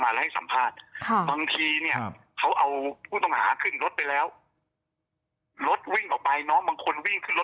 พี่โคตรโชคดีพี่มีประหยานด้วย